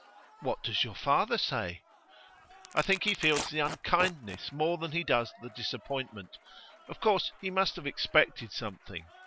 'What does your father say?' 'I think he feels the unkindness more than he does the disappointment; of course he must have expected something.